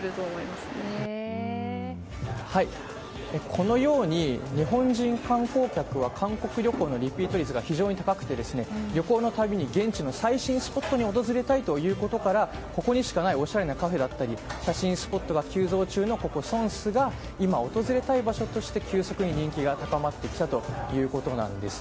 このように、日本人観光客は韓国旅行のリピート率が非常に高くて、旅行のたびに現地の最新スポットに訪れたいということからここにしかないおしゃれなカフェだったり写真スポットが急増中のソンスが今、訪れたい場所として急速に人気が高まってきたということです。